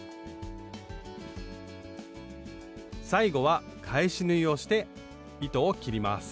最後は返し縫いをして糸を切ります